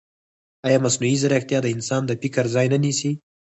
ایا مصنوعي ځیرکتیا د انسان د فکر ځای نه نیسي؟